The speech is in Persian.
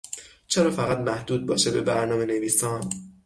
چرا فقط محدود باشه به برنامهنویسان